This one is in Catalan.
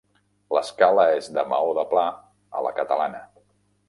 L'escala és de maó de pla a la catalana.